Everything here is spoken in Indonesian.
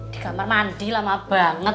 di kamar mandi lama banget